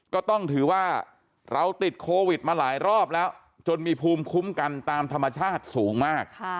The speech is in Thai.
ก็ต้องถือว่าเราติดโควิดมาหลายรอบแล้วจนมีภูมิคุ้มกันตามธรรมชาติสูงมาก